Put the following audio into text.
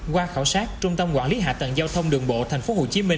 qua khảo sát trung tâm quản lý hạ tầng giao thông đường bộ tp hcm